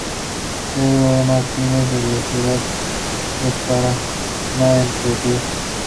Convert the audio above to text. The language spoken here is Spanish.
Pedro E. Martínez" de la ciudad de Paraná, Entre Ríos.